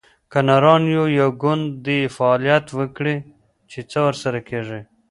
که نران یو، یو ګوند دې فعالیت وکړي؟ چې څه ورسره کیږي